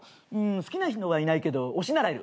「好きな人はいないけど推しならいる」